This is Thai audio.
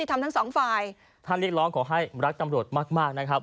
ท่านเรียกร้อขอให้รักตำรวจมากนะครับ